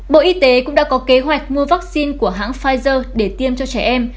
bộ y tế cũng đã có kế hoạch mua vaccine của hãng pfizer để tiêm cho trẻ em